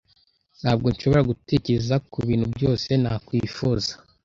Ntabwo nshobora gutekereza kubintu byose nakwifuza.